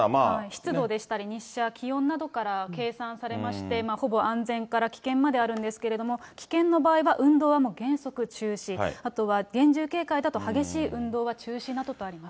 湿度でしたり、日射、気温などから計算されまして、ほぼ安全から危険まであるんですけれども、危険の場合は運動はもう原則、中止、あとは厳重警戒だと激しい運動は中止などとあります。